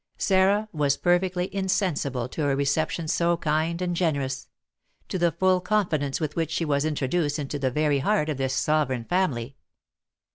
Sarah was perfectly insensible to a reception so kind and generous, to the full confidence with which she was introduced into the very heart of this sovereign family.